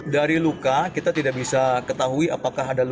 dari luka kita tidak bisa ketahui apakah hal itu berlaku